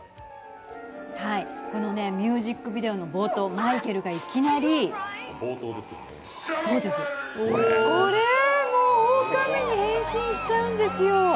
ミュージックビデオの冒頭、マイケルがいきなり。これ、もうおおかみに変身しちゃうんですよ。